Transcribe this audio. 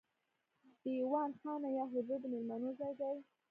دیوان خانه یا حجره د میلمنو ځای دی.